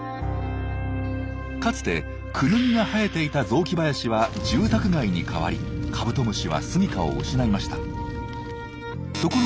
かつてクヌギが生えていた雑木林は住宅街に変わりカブトムシはすみかを失いました。